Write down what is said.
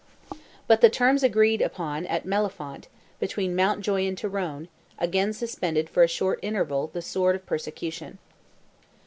But the terms agreed upon at Mellifont, between Mountjoy and Tyrone, again suspended for a short interval the sword of persecution.